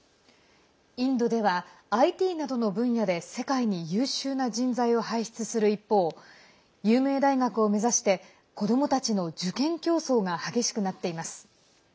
インドではＩＴなどの分野で世界に優秀な人材を輩出する一方有名大学を目指して子どもたちの受験競争が激しくなっています。